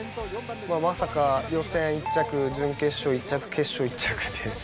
まあまさか予選１着準決勝１着決勝１着で。